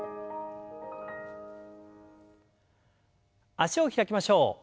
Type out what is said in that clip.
脚を開きましょう。